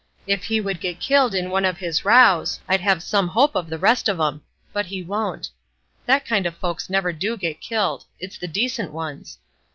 If he would get killed in one of his rows I'd have some hope of the rest of 'em; but he won't. That kind of folks never do get killed; it's the decent ones.